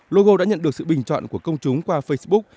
logo đã nhận được sự bình chọn của công chúng qua facebook